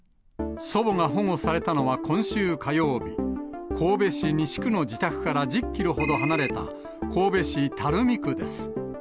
祖母が保護されたのは今週火曜日、神戸市西区の自宅から１０キロほど離れた神戸市垂水区です。